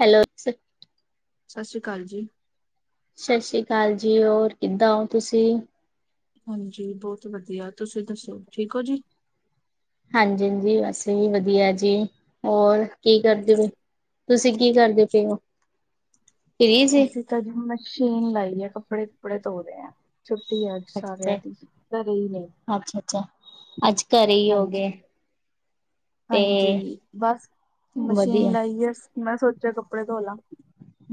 Hello ਸਸ ਸ੍ਰੀ ਕਾਲ ਜੀ। ਸਸ ਸ੍ਰੀ ਕਾਲ ਜੀ, ਹੋਰ ਕਿੱਦਾਂ ਹੋ ਤੁਸੀਂ? ਹਾਂਜੀ ਬੋਤ ਈ ਵਧੀਆ ਤੁਸੀਂ ਦੱਸੋ ਠੀਕ ਔ ਜੀ। ਹਾਂਜੀ-ਹਾਂਜੀ ਅਸੀ ਵੀ ਵਧੀਆ ਜੀ ਹੋਰ ਕੀ ਕਰਦੇ ਪੇ। ਤੁਸੀਂ ਕੀ ਕਰਦੇ ਪਏ ਔ? ਅਸੀਂ ਤਾਂ ਜੀ ਮਸ਼ੀਨ ਲਾਈ ਐ, ਕੱਪੜੇ-ਕੁੱਪੜੇ ਧੋ ਰੇ ਆ। ਛੁੱਟੀ ਐ ਅੱਜ ਸਾਰਿਆਂ ਦੀ, ਕਰੇ ਈ ਨੇ। ਅੱਛਾ-ਅੱਛਾ, ਅੱਜ ਕਰੇ ਈ ਹੋਗੇ। ਹਾਂਜੀ ਹਾਂਜੀ, ਬਸ ਵਧੀਆ ਮਸ਼ੀਨ ਲਾਈ ਐ ਮੈਂ ਸੋਚਿਆ ਕੱਪੜੇ ਧੋ ਲਾਂ।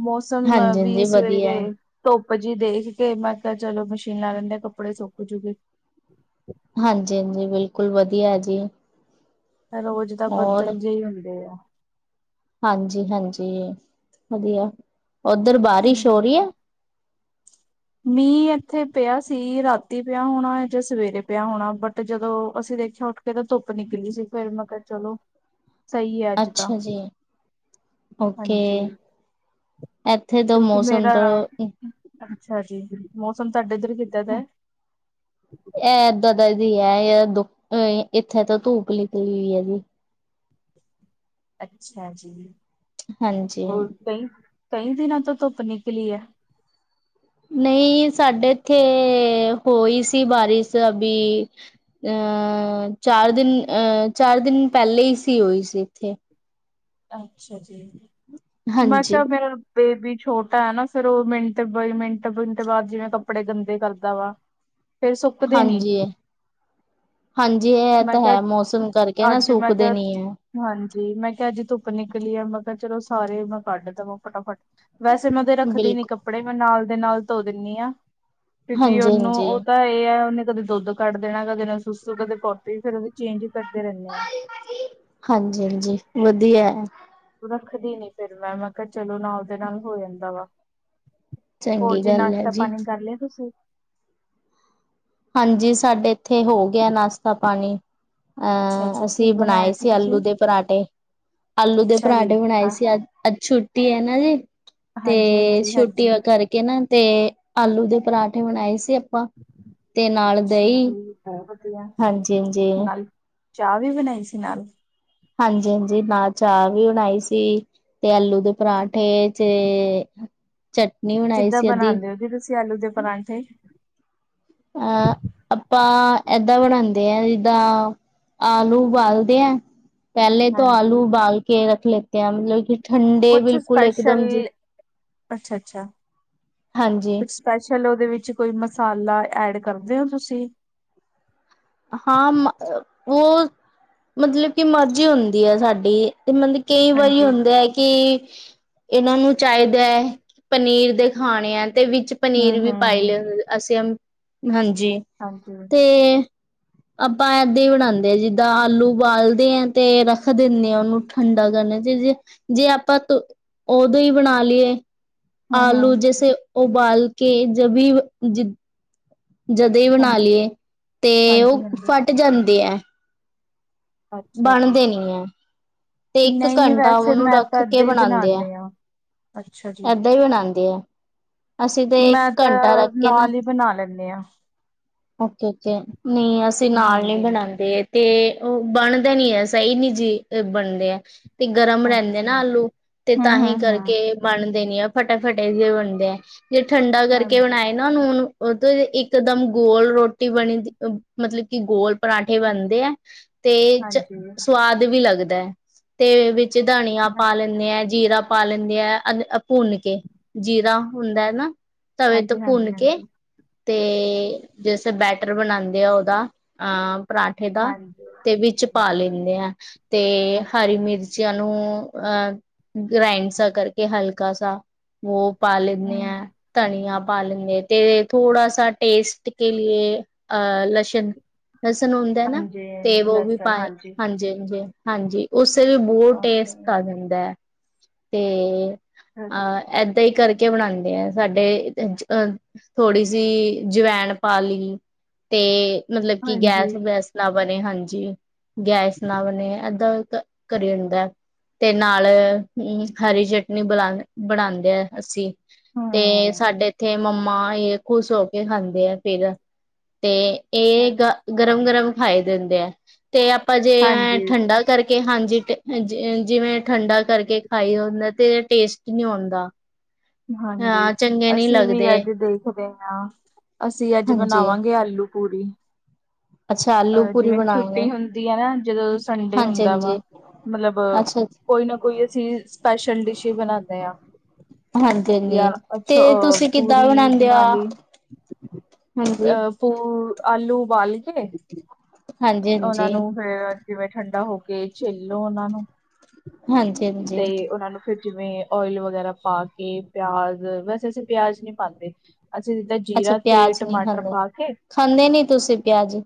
ਮੌਸਮ ਹਾਂਜੀ ਵੀ ਹਾਂਜੀ ਵਧੀਆ ਸਵੇਰੇ ਧੁੱਪ ਜੀ ਦੇਖ ਕੇ ਮੈਂ ਕਿਆ ਚਲੋ ਮਸ਼ੀਨ ਲਾ ਲੈਂਨੇ ਆ ਕੱਪੜੇ ਸੁੱਕ ਜੂ ਗੇ। ਹਾਂਜੀ-ਹਾਂਜੀ, ਬਿਲਕੁਲ ਵਧੀਆ ਜੀ। ਐ ਰੋਜ਼ ਤਾਂ ਹੋਰ ਬੱਦਲ ਜੇ ਈ ਹੁੰਦੇ ਆ। ਹਾਂਜੀ-ਹਾਂਜੀ, ਵਧੀਆ ਉੱਧਰ ਬਾਰਿਸ਼ ਹੋ ਰੀ ਆ ਐ। ਮੀਂਹ ਇੱਥੇ ਪਿਆ ਸੀ ਰਾਤੀਂ ਪਿਆ ਹੋਣਾ ਜਾਂ ਸਵੇਰੇ ਪਿਆ ਹੋਣਾ ਬਟ ਜਦੋਂ ਅਸੀਂ ਦੇਖਿਆ ਉੱਠ [unintelligible] ਧੁੱਪ ਨਿਕਲੀ ਸੀ ਫੇਰ ਮੈਂ ਕਿਆ ਚਲੋ ਸਈ ਏ ਅੱਜ ਤਾਂ। ਅੱਛਾ ਜੀ ਓਕੇ ਹਾਂਜੀ, ਇੱਥੇ ਤਾਂ ਕਿਉਂਕਿ ਮੌਸਮ ਮੇਰਾ ਤੋਂ ਅੱਛਾ ਜੀ, ਮੌਸਮ ਤੁਹਾਡੇ ਏਧਰ ਕਿ ਐ ਦਾਦਾ ਜੀ ਐਏ ਐ, ਦੁ ਇੱਥੇ ਤਾਂ ਧੁੱਪ ਨਿਕਲੀ ਹੋਈ ਏ ਜੀ। ਅੱਛਾ ਜੀ। ਹਾਂਜੀ। ਹੋਰ ਕਈ, ਕਈ ਦਿਨਾਂ ਤੋਂ ਧੁੱਪ ਨਿਕਲੀ ਐ। ਨਈ ਸਾਡੇ ਇੱਥੇ ਹੋਈ ਸੀ ਬਾਰਿਸ਼ ਅਭੀ ਅਹ ਚਾਰ ਦਿਨ ਅਹ ਚਾਰ ਦਿਨ ਪੈਲੇ ਸੀ ਹੋਈ ਸੀ ਇੱਥੇ। ਅੱਛਾ ਜੀ, ਹਾਂਜੀ, ਮਤਲਬ ਫੇਰ ਬੇਬੀ ਛੋਟਾ ਐ ਨਾ, ਫੇਰ ਓ ਮਿੰਟ ਬਾਈ ਮਿੰਟ-ਮਿੰਟ ਬਾਦ ਜਿਵੇਂ ਕੱਪੜੇ ਗੰਦੇ ਕਰਦਾ ਵਾ। ਫੇਰ ਸੁੱਕਦੇ ਨੀ। ਹਾਂਜੀ, ਹਾਂਜੀ, ਐ ਮੈਂ ਤਾਂ ਕਿਹਾ ਹੈ ਮੌਸਮ ਕਰਕੇ ਨਾ ਅੱਜ ਮੈਂ ਕਿਹਾ ਸੁੱਕਦੇ ਨੀ ਏ। ਹਾਂਜੀ, ਮੈਂ ਕਿਆ ਅਜ ਧੁੱਪ ਨਿਕਲੀ ਐ ਮੈਂ ਕਿਆ ਚਲੋ ਸਾਰੇ ਮੈਂ ਕੱਢ ਦੇਵਾਂ ਫਟਾਫਟ। ਵੈਸੇ ਮੈਂ ਉਦੇ ਤੇ ਰੱਖਦੀ ਨੀ ਬਿਲਕੁਲ, ਕੱਪੜੇ ਮੈਂ ਨਾਲ ਦੇ ਨਾਲ ਧੋ ਦਿੰਨੀ ਆ ਕਿਉਂਕਿ ਹਾਂਜੀ, ਉਹਨੂੰ ਹਾਂਜੀ, ਉਹ ਤਾ ਏ ਆ ਓਨੇ ਕਦੇ ਦੁੱਧ ਕੱਢ ਦੇਣਾ, ਕਦੇ ਓਨੇ ਸੁਸੂ, ਕਦੇ ਪੋਂਟੀ, ਫੇਰ ਉਹਦੇ ਚੇਂਜ ਕਰਦੇ ਰੇਂਨੇ ਆ। ਹਾਂਜੀ-ਹਾਂਜੀ, ਵਧੀਆ। ਰੱਖਦੀ ਨੀ ਫੇਰ ਮੈਂ, ਮੈਂ ਕਿਹਾ, ਚਲੋ, ਨਾਲ ਉਹਦੇ ਨਾਲ ਹੋ ਜਾਂਦਾ ਵਾ। ਹੋਰ ਚੰਗੀ ਜੀ, ਗੱਲ ਹੈ ਨਾਸ਼ਤਾ ਜੀ, ਪਾਣੀ ਕਰ ਲਿਆ ਤੁਸੀਂ? ਹਾਂਜੀ, ਸਾਡੇ ਇੱਥੇ ਹੋ ਗਿਆ ਨਾਸ਼ਤਾ ਪਾਣੀ। ਅੱਛਾ ਅਹ, ਜੀ ਕੀ ਅਸੀਂ ਬਣਾਇਆ ਬਣਾਏ ਸੀ ਆਲੂ ਤੁਸੀਂ ਦੇ ਪਰਾਂਠੇ। ਆਲੂ ਦੇ ਅੱਛਾ ਜੀ ਪਰਾਂਠੇ ਬਣਾਏ ਹਾਂ ਸੀ ਅੱਜ, ਅੱਜ ਛੁੱਟੀ ਹੈ ਨਾ ਜੀ। ਹਾਂਜੀ ਤੇ ਹਾਂਜੀ ਛੁੱਟੀ ਹਾਂਜੀ ਕਰਕੇ ਨਾ, ਤੇ ਆਲੂ ਦੇ ਪਰਾਂਠੇ ਬਣਾਏ ਸੀ ਆਪਾਂ। ਤੇ ਨਾਲ ਅੱਛਾ ਦਹੀਂ ਜੀ, ਵਧੀਆ, ਹਾਂਜੀ ਹਾਂਜੀ ਨਾਲ, ਚਾਹ ਵੀ ਬਣਾਈ ਸੀ। ਨਾਲ, ਹਾਂਜੀ-ਹਾਂਜੀ, ਨਾ ਚਾਹ ਵੀ ਬਣਾਈ ਸੀ। ਤੇ ਆਲੂ ਦੇ ਪਰਾਂਠੇ ਚ ਚਟਨੀ, ਕਿੱਦਾਂ ਬਣਾਉਂਦੇ ਹੋ ਜੀ, ਤੁਸੀਂ ਆਲੂ ਦੇ ਪਰਾਂਠੇ? ਅਹ, ਆਪਾਂ ਏਦਾਂ ਬਣਾਦੇ ਆ, ਜਿੱਦਾਂ ਆਲੂ ਉਬਾਲਦੇ ਆ, ਪਹਿਲਾਂ ਤੋਂ ਹਾਂਜੀ ਆਲੂ ਉਬਾਲ ਕੇ ਰੱਖ ਲੇਤੇ ਆ, ਮਤਲਬ ਕਿ ਠੰਡੇ ਕੁਛ ਬਿਲਕੁਲ ਸਪੈਸ਼ਲ ਇਕਦਮ ਜੀ, ਅੱਛਾ ਅੱਛਾ ਹਾਂਜੀ। ਕੁਛ ਸਪੈਸ਼ਲ ਉਹਦੇ ਵਿੱਚ ਕੋਈ ਮਸਾਲਾ ਐਡ ਕਰਦੇ ਓ ਤੁਸੀਂ? ਹਾਂ, ਉਹ, ਮਤਲਬ ਕਿ ਮਰਜ਼ੀ ਹੁੰਦੀ ਹੈ ਸਾਡੀ ਤੇ, ਮਤਲਬ। ਕਈ ਵਾਰੀ ਹਾਂਜੀ ਹੁੰਦੇ ਏ ਕਿ ਇਹਨਾਂ ਨੂੰ ਚਾਹੀਦਾ, ਪਨੀਰ ਦੇ ਖਾਣੇ ਏ ਤੇ ਵਿੱਚ, ਹਮ ਪਨੀਰ ਵੀ ਪਾ ਹਮ ਲਿਆ ਅਸੀਂ, ਹਾਂਜੀ। ਹਾਂਜੀ। ਤੇ ਆਪਾਂ ਏਦਾਂ ਹੀ ਬਣਾਦੇ ਆ ਜਿੱਦਾਂ ਆਲੂ ਉਬਾਲਦੇ ਹਾਂ ਤੇ ਰੱਖ ਦਿੰਦੇ ਹਾਂ ਉਹਨੂੰ ਠੰਡਾ ਕਰਨ ਚ ਜੇ ਆਪਾਂ, ਓਦੋਂ ਹੀ ਬਣਾ ਲਈਏ, ਹਮ ਆਲੂ ਹਮ ਜੈਸੇ ਉਬਾਲ ਕੇ ਜਭੀ ਜ ਜਦੇ ਹੀ ਬਣਾ ਹਾਂਜੀ ਲਈਏ ਤੇ ਉਹ ਹਾਂਜੀ ਹਾਂਜੀ ਫਟ ਜਾਂਦੇ ਐ। ਅੱਛਾ ਜੀ ਬਣਦੇ ਨੀ ਐ, ਤੇ ਇੱਕ ਨਹੀਂ ਘੰਟਾ ਵੈਸੇ ਉਹਨੂੰ ਮੈਂ ਰੱਖ ਤਾਂ ਕੇ ਏਦਾਂ ਹੀ ਬਣਾਦੇ ਐ। ਬਣਾਉਂਦੇ ਆ ਅੱਛਾ ਜੀ ਏਦਾਂ ਹੀ ਬਣਾਦੀ ਹੈ। ਮੈਂ ਤਾਂ ਰੱਖ ਕੇ ਨਾਲ ਹੀ ਬਣਾ ਲੈਂਣੀ ਹਾਂ। ਓਕੇ-ਓਕੇ, ਨਹੀ ਅਸੀਂ ਨਾਲ ਨਹੀ ਹਾਂਜੀ ਬਣਾਦੇ। ਤੇ ਉਹ ਬਣਦਾ ਨੀ ਹੈ ਸਹੀ ਨੀ ਜੀ ਬਣਦੇ ਆ। ਤੇ ਗਰਮ ਰਹਿੰਦੇ ਅੱਛਾ ਨਾ ਆਲੂ ਤੇ ਹਮ ਤਾਂਹੀ ਹਮ ਹਮ ਕਰਕੇ, ਬਣਦੇ ਨੀ ਆ ਫਟਾਫਟੇ ਜੇ ਬਣਦੇ ਆ ਜੇ ਠੰਡਾ ਕਰਕੇ ਹਾਂਜੀ ਬਣਾਏ ਨਾ ਉਹ ਨੂੰ ਉਹ ਤੇ, ਇੱਕਦਮ, ਗੋਲ ਰੋਟੀ ਬਣੀ ਦੀ ਮਤਲਬ ਕਿ ਗੋਲ, ਪਰਾਂਠੇ ਬਣਦੇ ਹੈ ਤੇ ਚ ਹਾਂਜੀ ਹਾਂਜੀ ਸਵਾਦ ਵੀ ਲੱਗਦਾ ਹੈ। ਤੇ ਵਿੱਚ ਧਨੀਆ ਪਾ ਲੈਂਦੇ ਆ ਜੀਰਾ ਪਾ ਲੈਂਦੇ ਐ- ਭੁੰਨ ਕੇ, ਜੀਰਾ ਹੁੰਦਾ ਨਾ, ਤਵੇ ਤੋਂ ਹਾਂਜੀ ਭੁੰਨ ਕੇ ਹਾਂਜੀ ਤੇ ਜੇਸੇ ਬੈਟਰ ਬਣਾਦੇ ਆ ਉਹਦਾ ਅਹ ਪਰਾਂਠੇ ਦਾ, ਹਾਂਜੀ ਤੇ ਵਿੱਚ ਪਾ ਲੈਣੇ ਆ ਤੇ ਹਰੀ ਹਾਂਜੀ ਮਿਰਚ, ਬੱਚਿਆਂ ਨੂੰ ਅਹ ਗ੍ਰਾਇੰਡ ਸਾ ਕਰਕੇ ਹਲਕਾ ਸਾ। ਉਹ ਪਾ ਲੈਣੇ ਹਮ ਆ ਧਨੀਆ ਪਾ ਲੈਣੇ ਆ ਤੇ ਥੋੜਾ ਸਾ ਟੇਸਟ ਕੇ ਅ ਲਸਣ ਲਸਣ ਹੁੰਦਾ ਨਾ ਹਾਂਜੀ ਤੇ ਉਹ ਵੀ ਲਸਣ ਪਾਏ ਹਾਂਜੀ ਹਾਂਜੀ-ਹਾਂਜੀ, ਹਾਂਜੀ ਉਸੇ ਵੀ ਬਹੁ ਟੇਸਟ ਆ ਹਾਂਜੀ ਜਾਂਦਾ ਹੈ, ਤੇ ਅਹ ਏਦਾਂ ਹੀ ਕਰਕੇ ਕੇ ਬਣਾਦੇ ਆ ਸਾਡੇ ਅ ਥੋੜ੍ਹੀ ਸੀ ਜਵੈਨ ਪਾ ਲੀ ਤੇ ਮਤਲਬ ਕੀ ਹਾਂਜੀ ਗੈਸ ਵੈਸ ਨਾ ਬਣੇ ਹਾਂਜੀ। ਗੈਸ ਨਾ ਬਣੇ ਏਦਾਂ ਕਰੀਂਦੈ। ਤੇ ਨਾਲ ਹੂੰ ਹਰੀ ਚਟਨੀ ਬਲਾ ਬਣਾਦੇ ਅਸੀਂ। ਤੇ ਹੂੰ ਸਾਡੇ ਇੱਥੇ ਮੰਮਾ ਏ ਖੁਸ਼ ਹੋ ਕੇ ਖਾਂਦੇ ਐ। ਫੇਰ ਤੇ ਏ ਅੱਛਾ। ਗ ਗਰਮ-ਗਰਮ ਖਾਈ ਦੇ ਹੁੰਦੇ ਐ। ਤੇ ਆਪਾਂ ਜੇ ਐ ਹਾਂਜੀ ਠੰਡਾ ਕਰਕੇ ਹਾਂਜੀ ਟ ਹਾਂਜੀ ਜਿਵੇਂ ਠੰਡਾ ਕਰਕੇ ਖਾਈ ਹੁੰਦਾ ਤੇ ਟੇਸਟ ਨੀ ਔਨਦਾ। ਹ [inaudible] ਹਾਂਜੀ, ਅਸੀਂ ਵੀ ਅੱਜ ਦੇਖਦੇ ਆ ਅਸੀਂ ਅੱਜ ਹਾਂਜੀ ਬਣਾਵਾਂਗੇ ਆਲੂ। ਪੂਰੀ। ਅੱਛਾ ਆਲੂ ਅ ਪੂਰੀ ਜਿਵੇਂ ਬਣਾਏਗੇ ਛੁੱਟੀ ਹੁੰਦੀ ਆ ਨਾ ਜਦੋਂ ਸੰਡੇ ਹਾਂਜੀ ਹੁੰਦਾ ਹਾਂਜੀ ਵਾ ਮਤਲਬ ਅੱਛਾ ਕੋਈ ਨਾ ਕੋਈ ਅਸੀਂ ਸਪੈਸ਼ਲ ਡਿਸ਼ ਈ ਬਣਾਨੇ ਆ। ਹਾਂਜੀ ਯਾ ਹਾਂਜੀ ਅੱਛ ਤੇ ਅ ਤੁਸੀਂ ਕਿੱਦਾਂ ਪੂਰੀ ਬਣਾਉਂਦੇ ਹੋ ਬਣਾਲੀ ਹਾਂਜੀ ਅ [unintelligible] ਆਲੂ ਉਬਾਲ ਕੇ ਹਾਂਜੀ ਉਨਾਂ ਹਾਂਜੀ ਨੂੰ ਫੇਰ ਜਿਵੇਂ ਠੰਡਾ ਹੋ ਕੇ ਛਿੱਲ ਲੋ ਉਨਾਂ ਨੂੰ ਹਾਂਜੀ ਹਾਂਜੀ ਤੇ ਉਨਾਂ ਨੂੰ ਫਿਰ ਜਿਵੇਂ ਓਇਲ ਵਗੈਰਾ ਪਾ ਕੇ ਪਿਆਜ ਵੈਸੇ ਅਸੀਂ ਪਿਆਜ ਨੀ ਪਾਂਦੇ। ਅੱਸੀਂ ਜਿਦਾਂ ਅੱਛਾ ਜੀਰਾ, ਤੇਲ, ਪਿਆਜ ਨਹੀਂ ਟਮਾਟਰ ਖਾਂਦੇ ਪਾ ਕੇ ਖਾਂਦੇ ਨੀ ਤੁਸੀਂ ਪਿਆਜ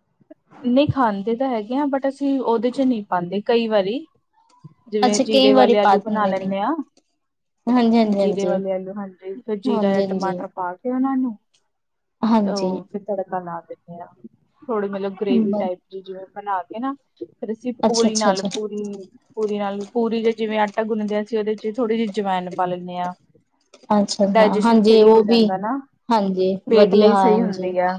ਨਈ ਖਾਂਦੇ ਤਾਂ ਹੈਗੇ ਆ ਬਟ ਅਸੀਂ ਓਦੇ ਚ ਨੀ ਪਾਂਦੇ ਕਈ ਵਾਰੀ। ਜਿਵੇਂ ਅੱਛਾ ਕਈ ਜੀਰੇ ਵਾਰੀ ਵਾਲੇ ਪਾ ਆਲੂ ਬਣਾ ਦਿੰਦੇ ਨੇ ਲੈਂਨੇ ਆ। ਹਾਂਜੀ ਹਾਂਜੀ ਜੀਰੇ ਹਾਂਜੀ ਵਾਲੇ ਆਲੂ ਹਾਂਜੀ ਫਿਰ ਜੀਰਾ ਜਾਂ ਹਾਂਜੀ ਟਮਾਟਰ ਪਾ ਕੇ ਓਨਾ ਨੂੰ ਓ ਹਾਂਜੀ ਫਿਰ ਤੜਕਾ ਲਾ ਦਿੰਨੇ ਆ ਥੋੜੀ ਮਤਲਬ ਗਰੇ ਬੀ ਹਾਂਜੀ ਟਾਈਪ ਜੀ ਬਣਾ ਕੇ ਨਾ ਫੇਰ ਅਸੀਂ ਅੱਛਾ ਪੂਰੀ ਅੱਛਾ ਨਾਲ ਅੱਛਾ ਪੂਰੀ ਪੂਰੀ ਨਾਲ ਪੂਰੀ ਜ ਜਿਵੇਂ ਆਟਾ ਗੁੰਨਦੇ ਆ ਅਸੀਂ ਉਦੇ ਚ ਥੋੜ੍ਹੀ ਜੀ ਜਵੈਨ ਪਾ ਲੈਂਨੇ ਆ। ਅੱਛਾ ਹਾਂ ਡਾਇਜੇਸ਼ਨ ਹਾਂਜੀ ਸਈ ਹੋ ਉਹ ਵੀ ਜਾਂਦਾ ਨਾ ਹਾਂਜੀ ਪੇਟ ਵਧੀਆ ਲਈ ਸਈ ਹਾਂਜੀ ਹੁੰਦੀ ਆ।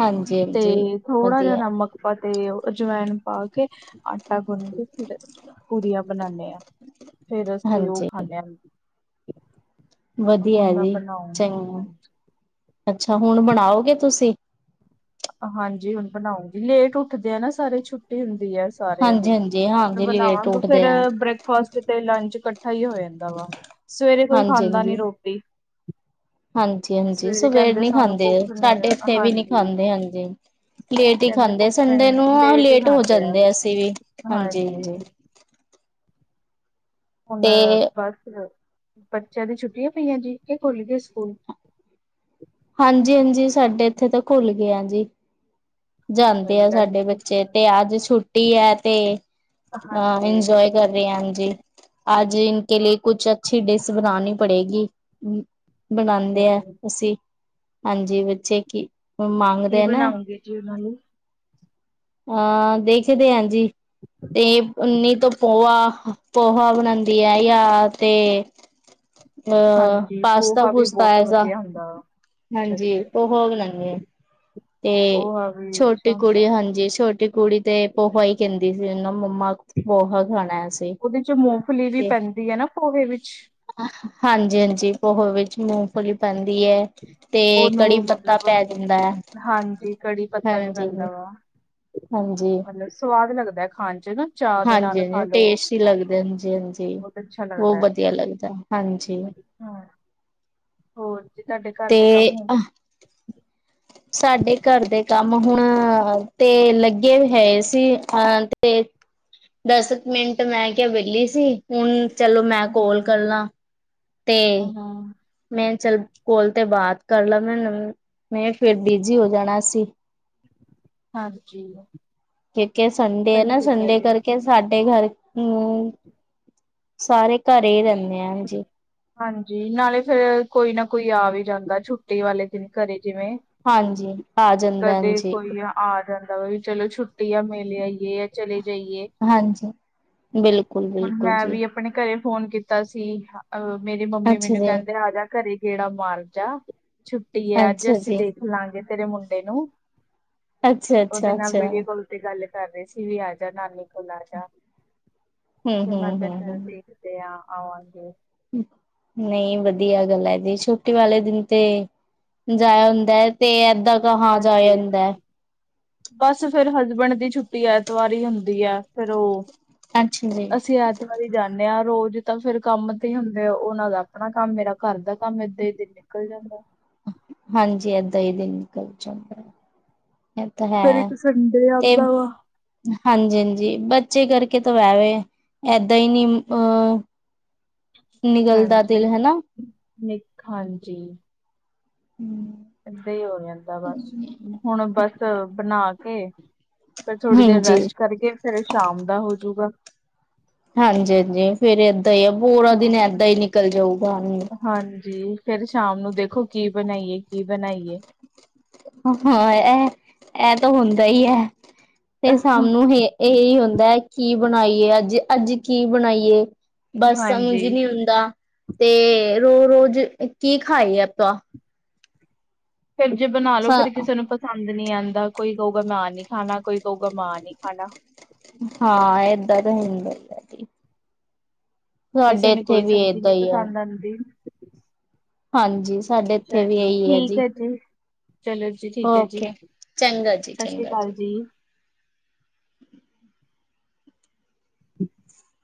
ਹਾਂਜੀ ਤੇ ਹਾਂਜੀ ਥੋੜਾ ਜਾ ਵਧੀਆ ਨਮ ਮੱਕਾਂ ਤੇ ਓ ਅਜਵਾਇਣ ਪਾ ਕੇ, ਆਟਾ ਗੁੰਨ ਕੇ ਫੇਰ ਪੂਰੀਆਂ ਬਨਾਨੇ ਆ। ਫੇਰ ਅਸੀਂ ਓ ਹਾਂਜੀ ਖਾਨੇ ਆ ਹੁਣ ਵਧੀਆ ਮੈਂ ਜੀ, ਬਣਾਉਂਗੀ ਚੰਗ। ਅੱਛਾ! ਹੁਣ ਬਣਾਓਗੇ ਤੁਸੀਂ? ਹਾਂਜੀ ਹੁਣ ਬਣਾਊਂਗੀ ਲੇਟ ਉੱਠਦੇ ਆ ਨਾ ਸਾਰੇ ਛੁੱਟੀ ਹੁੰਦੀ ਐ ਸਾਰਿਆਂ ਹਾਂਜੀ ਦੀ ਹਾਂਜੀ ਹੁਣ ਹਾਂਜੀ ਲੇਟ ਬਣਾਵਾਂਗੇ ਉੱਠਦੇ ਫੇਰ ਆ ਬ੍ਰੇਕਫਾਸਟ ਚ ਤੇ ਲੰਚ ਕੱਠਾ ਈ ਹੋ ਯਾਂਦਾ ਵਾ ਸਵੇਰੇ ਕੋਈ ਖਾਂਦਾ ਨੀ ਰੋਟੀ। ਹਾਂਜੀ-ਹਾਂਜੀ ਸਵੇਰੇ ਸਵੇਰ ਕਹਿੰਦੇ ਨੀ ਸਾਨੂੰ ਖਾਂਦੇ ਭੁੱਖ ਨਹੀਂ ਸਾਡੇ ਆ ਏਥੇ ਵੀ ਨੀ ਹਾਂਜੀ ਖਾਂਦੇ ਹਾਂਜੀ। ਲੇਟ ਈ ਕਹਿੰਦੇ ਖਾਂਦੇ ਭੁੱਖ ਸੰਡੇ ਨੂੰ ਹਾਂ ਹੀ ਲੇਟ ਹੋ ਖਾਂਦੇ ਆ ਜਾਂਦੇ ਅਸੀਂ ਵੀ, ਹਾਂਜੀ ਹਾਂਜੀ-ਹਾਂਜੀ। ਹੁਣ ਤੇ ਬਸ ਬੱਚਿਆਂ ਦੀ ਛੁੱਟੀਆਂ ਪਈਆਂ ਜੀ ਕਿ ਖੁਲਗੇ ਸਕੂਲ? ਹਾਂਜੀ-ਹਾਂਜੀ ਸਾਡੇ ਇੱਥੇ ਤਾਂ ਖੁੱਲਗੇ ਆ ਜੀ। ਅੱਛਾ ਜਾਂਦੇ ਆ ਜੀ ਅੱਜ ਸਾਡੇ ਬੱਚੇ ਛੁੱਟੀਆਂ ਤੇ ਅੱਜ ਛੁੱਟੀ ਐ ਤੇ ਹਾਂ ਹਾਂਜੀ ਇੰਜੋਏ ਕਰ ਰੇ ਐ, ਹਾਂਜੀ ਆੱਜ ਇਨ ਕੇ ਲਿਏ ਕੁਛ ਅੱਛੀ ਡਿਸ ਬਨਾਨੀ ਪੜੇਗੀ ਹੂੰ, ਅੱਛਾ ਬਣਾਂਦੇ ਐ ਜੀ। ਅਸੀਂ ਹਾਂਜੀ ਵ ਚੇ ਕੀ [unintelligible] ਮੰਗਦੇ ਐ ਨਾ। [unintelligible] ਆ ਦੇਖਦੇ ਆ ਜੀ ਤੇ ਨੀ ਤੋਂ ਪੋਆ ਪੋਹਾ ਬਣਾਦੀ ਐ ਯਾ ਤੇ ਅ ਹਾਂਜੀ ਪੋਹਾ ਵੀ ਪਾਸਤਾ-ਪੂਸਤਾ ਬਹੁਤ ਐਸਾ ਵਧੀਆ ਹੁੰਦਾ ਅੱਛਾ ਹਾਂਜੀ, ਜੀ। [unintelligible] ਆ ਤੇ ਪੋਹਾ ਵੀ ਅੱਛਾ ਛੋਟੀ ਕੁੜੀ, ਹੁੰਦਾ। ਹਾਂਜੀ ਤੁਹਾਡੀ ਕੁੜੀ ਤੇ ਪੋਹਾ ਈ ਕੈਂਦੀ ਸੀ, ਮੰਮਾ ਪੋਹਾ ਖਾਣਾ ਅਸੀ। ਮੂੰਫਲੀ ਵੀ ਪੈਂਦੀ ਐ ਨਾ ਪੋਹੇ ਵਿੱਚ? ਹਾਂਜੀ-ਹਾਂਜੀ, ਪੋਹੇ ਵਿੱਚ ਮੂੰਫਲੀ ਪੈਂਦੀ ਐ। 'ਤੇ ਉਹਨੂੰ ਕੜੀ ਪੱਤਾ ਮਤਲਬ ਪੈ ਜਾਂਦੈ, ਹਾਂਜੀ ਕੜੀ ਪੱਤਾ ਵੀ ਹਾਂਜੀ। [inaudible] ਪੈਂਦਾ ਵਾ। ਹਾਂਜੀ, ਮਤਲਬ ਸਵਾਦ ਲੱਗਦਾ ਹੈ ਖਾਣ ਚ ਨਾ ਚਾਹ ਦੇ ਨਾਲ ਖਾ ਹਾਂਜੀ, ਲੋ ਟੇਸਟੀ ਲੱਗਦੇ, ਹਾਂਜੀ-ਹਾਂਜੀ। ਬਹੁਤ ਅੱਛਾ ਲੱਗਦਾ ਬੋਹ ਹੈ। ਵਦੀਆ ਲੱਗਦੈ, ਹਾਂਜੀ। ਹਾਂ ਹੋਰ ਜੀ, ਤਾਡੇ ਘਰ ਤੇ ਦੇ ਕੰਮ ਹੋਗੇ। ਸਾਡੇ ਘਰ ਦੇ ਕੰਮ ਹੁਨ ਹੋਨ 'ਤੇ ਲੱਗੇ ਹੋਏ ਸੀ, ਹਾਂ 'ਤੇ। ਦਸ ਕੁ ਮਿੰਟ ਮੈਂ ਕਿਆ ਵੇਲੀ ਸੀ, ਹੁਨ ਚਲੋ ਮੈਂ ਕੋਲ ਹਾਂ। ਕਰ ਲਾਂ। ਤੇ ਹਾਂ। ਮੈਂ ਚੱਲ, ਕੋਲ ਤੇ ਬਾਤ ਕਰ ਲਾ ਮੈ, ਮੈਂ ਫੇਰ ਬੀਜੀ ਹੋ ਜਾਨਾ ਸੀ। ਹਾਂਜੀ। ਕਿਉਂਕਿ ਸੰਡੇ ਐ ਸਹੀ ਨਾ, ਕੀਤਾ ਸੰਡੇ ਜੇ। ਕਰਕੇ ਸਾਡੇ ਘਰ ਨੂੰ, ਸਾਰੇ ਘਰੇ ਈ ਰੈਨੇ ਆ, ਹਾਂਜੀ। ਹਾਂਜੀ, ਨਾਲੇ ਫੇਰ ਕੋਈ ਨਾ ਕੋਈ ਆ ਵੀ ਜਾਂਦੈ ਛੁੱਟੀ ਵਾਲੇ ਦਿਨ ਘਰੇ, ਜਿਵੇਂ। ਹਾਂਜੀ, ਆ ਜਾਦੈ, ਕਦੇ ਹਾਂਜੀ। ਕੋਈ ਆ ਜਾਂਦਾ ਵੀ, ਚਲੋ ਛੁੱਟੀ ਆ, ਮਿਲ ਆਈਏ। ਚਲੇ ਜਾਈਏ, ਹਾਂਜੀ ਬਿਲਕੁਲ ਹੁਨ ਬਿਲਕੁਲ ਮੈਂ ਜੀ ਵੀ ਅਪਨੇ ਘਰੇ ਫੋਨ ਕੀਤਾ ਸੀ, ਅ ਮੇਰੀ ਮੰਮੀ ਅੱਛਾ ਮੈਨੂੰ ਜੀ ਕੈਂਦੇ ਆਜਾ ਘਰੇ। ਗੇੜਾ ਮਾਰਜਾ, ਛੁੱਟੀ ਏ ਅੱਜ। ਅੱਛਾ ਅਸੀਂ ਜੀ ਦੇਖ ਲਾਂਗੇ ਤੇਰੇ ਮੁੰਡੇ ਨੂੰ। ਅੱਛਾ ਓਦੇ ਅੱਛਾ ਨਾਲ ਅੱਛਾ ਵੀਡੀਓ ਕੋਲ 'ਤੇ ਗੱਲ ਕਰ ਰੇ ਸੀ ਵੀ ਆਜਾ ਨਾਨੀ ਕੋਲ ਆਜਾ। 'ਤੇ ਹਮ ਹਮ ਮਾਤਾ ਹਮ ਕਰਦੀ 'ਤੇ ਆ ਆਵਾਂਗੇ। ਨਈ, ਵਦੀਆ ਗੱਲ ਐ ਜੀ। ਛੁੱਟੀ ਵਾਲੇ ਦਿਨ ਤੇ, ਜਾਇਆ ਹੁੰਦੈ। 'ਤੇ ਐਦਾਂ ਕਹਾ ਜਾਯਾ ਹਾਂਜੀ ਹੁੰਦੈ। ਬਸ ਫੇਰ ਹਸਬੈਂਡ ਦੀ ਛੁੱਟੀ ਐਤਵਾਰ ਈ ਹੁੰਦੀ ਐ, ਫੇਰ ਓ, ਅੱਛਾ ਜੀ ਅਸੀਂ ਅੱਜ ਅਸੀ ਜਾਨੇਂ ਆ, ਰੋਜ ਤਾਂ ਫਿਰ ਕੰਮ 'ਤੇ ਹੁੰਦੇ ਓ। ਓਨਾਂ ਦਾ ਅਪਨਾ ਕੰਮ, ਮੇਰਾ ਘਰ ਦਾ ਕੰਮ ਏ, 'ਤੇ ਏਦਾ ਈ ਦਿਨ ਨਿਕਲ ਜਾਂਦੈ। ਹਾਂਜੀ, ਐਦਾਂ ਈ ਦਿਨ ਨਿਕਲ ਜਾਂਦੈ। ਏ ਤਾਂ ਫੇਰ ਹੈ, ਇੱਕ ਸੰਡੇ ਤੇ ਆਉਂਦਾ ਵਾ ਹਾਂਜੀ-ਹਾਂਜੀ, ਬੱਚੇ ਕਰਕੇ ਤਾਂ ਵੈ ਵੇ, ਏਦਾਂ ਈ ਨੀ ਅਹ। ਹਾਂਜੀ, ਹਨਾ। ਨਿਕ ਹਾਂਜੀ। ਹੂੰ। ਏਦਾਂ ਈ ਹੋ ਜਾਂਦਾ ਬਸ, ਹੁਨ ਬਸ ਬਨਾ ਕੇ ਫਿਰ ਥੋੜੀ ਦੇਰ ਹਾਂਜੀ। ਰੈਸਟ ਕਰਕੇ, ਫੇਰ ਸ਼ਾਮ ਦਾ ਹੋਜੂਗਾ। ਹਾਂਜੀ-ਹਾਂਜੀ, ਫੇਰ ਏਦਾਂ ਈ ਆ, ਪੂਰਾ ਦਿਨ ਏਦਾਂ ਈ ਨਿਕਲ ਜਾਊਗਾ। ਹਾਂਜੀ, ਫੇਰ ਸ਼ਾਮ ਨੂੰ ਦੇਖੋ, ਕੀ ਬਨਾਈਏ, ਕੀ ਬਨਾਈਏ? ਹਾਂ ਐਹ, ਐਹ ਤਾਂ ਹੁੰਦਾ ਈ ਐ, ਫਿਰ ਸਾਮ ਨੂੰ ਹੀ ਏਹੀ ਹੁੰਦਾ ਐ, ਕੀ ਬਨਾਈਏ ਅੱਜ -ਅੱਜ ਕੀ ਬਨਾਈਏ? ਬਸ ਸਮਝ ਈ ਹਾਂਜੀ ਨੀ ਹੁੰਦਾ, 'ਤੇ ਰੋ- ਰੋਜ਼ ਕੀ ਖਾਈਏ ਆਪਾਂ? ਫਿਰ ਜੇ ਬਨਾ ਲੋ ਫੇਰ ਕਿਸੇ ਨੂੰ ਪਸ ਪਸੰਦ ਨੀ ਆਂਦਾ, ਕੋਈ ਕਊਗਾ, ਮਾ ਐ ਨੀ ਖਾਨਾ, ਕੋਈ ਕਊਗਾ, ਮਾ ਐ ਨੀ ਖਾਨਾ। ਹਾਂ ਏਦਾਂ ਤਾਂ ਹੁੰਦਾ ਈ ਏ। ਕਿਸੇ ਸਾਡੇ ਨੂੰ ਇੱਥੇ ਕੋਈ ਵੀ ਸਬਜ਼ੀ ਨੀ ਏਦਾਂ ਹੀ ਆ। ਪਸੰਦ ਆਂਦੀ। ਹਾਂਜੀ ਸਾਡੇ ਅੱਛਾ ਇੱਥੇ ਵੀ ਜੀ, ਇਹੀ ਠੀਕ ਹੈ ਜੀ, ਚਲੋ ਜੀ। ਜੀ ਠੀਕ ਹੈ ਜੀ! ਓਕੇ ਚੰਗਾ ਜੀ ਸਤਿ ਸ਼੍ਰੀ ਚੰਗਾ ਅਕਾਲ ਜੀ। [inaudible] [inaudible]